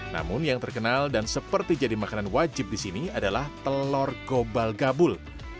namun yang terkenal dan seperti jadi makanan wajib di sini adalah telur gobal gabul